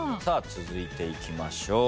続いていきましょう。